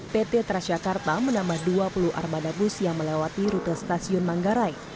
pt transjakarta menambah dua puluh armada bus yang melewati rute stasiun manggarai